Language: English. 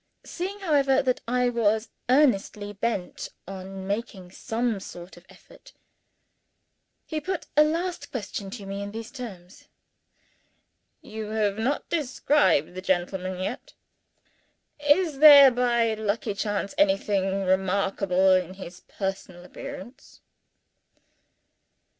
Seeing, however, that I was earnestly bent on making some sort of effort, he put a last question to me in these terms: "You have not described the gentleman yet. Is there, by lucky chance, anything remarkable in his personal appearance?"